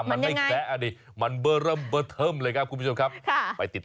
มันยังไง